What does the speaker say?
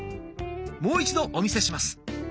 もう一度お見せします。